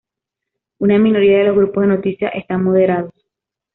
Una minoría de los grupos de noticias están moderados.